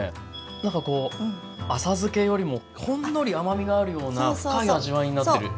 なんかこう浅漬けよりもほんのり甘みがあるような深い味わいになっている。